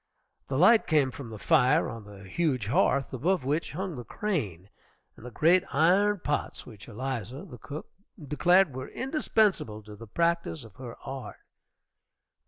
The light came from the fire on the huge hearth, above which hung the crane and the great iron pots which Eliza, the cook, declared were indispensable in the practice of her art.